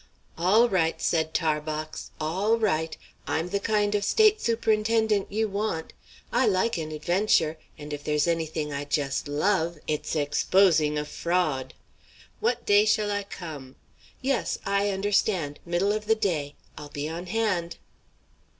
"All right," said Tarbox; "all right. I'm the kind of State Superintendent you want. I like an adventure; and if there's any thing I just love, it's exposing a fraud! What day shall I come? Yes, I understand middle of the day. I'll be on hand."